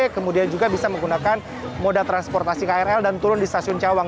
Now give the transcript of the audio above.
kemudian juga bisa menggunakan moda transportasi krl dan turun di stasiun cawang